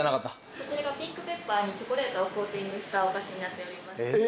こちらがピンクペッパーにチョコレートをコーティングしたお菓子になっております。